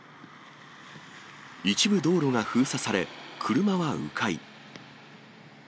一部道路が封鎖され、車はう回。